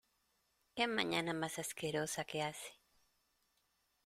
¡Qué mañana más asquerosa que hace!